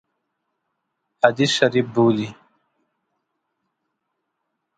هډه شریف بولي.